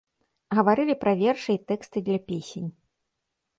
Гаварылі пра вершы і тэксты для песень.